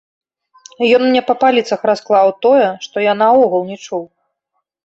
Ён мне па паліцах расклаў тое, што я наогул не чуў!